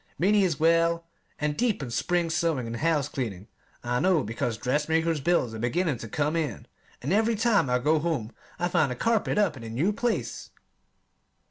Minnie is well and deep in spring sewing and house cleaning. I know because dressmaker's bills are beginning to come in, and every time I go home I find a carpet up in a new place!